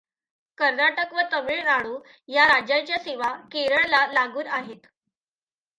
कर्नाटक व तमिळनाडू या राज्यांच्या सीमा केरळला लागून आहेत.